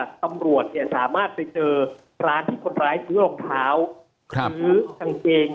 ตำรวจเนี่ยสามารถไปเจอร้านที่คนร้ายซื้อรองเท้าซื้อกางเกง